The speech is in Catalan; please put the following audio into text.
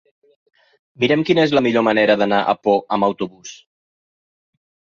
Mira'm quina és la millor manera d'anar a Pau amb autobús.